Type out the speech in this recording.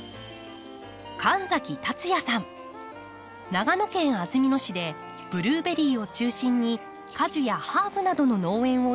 長野県安曇野市でブルーベリーを中心に果樹やハーブなどの農園を営んでいます。